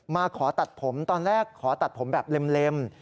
มาขอตัดผมตอนแรกขอตัดผมแบบเล็ม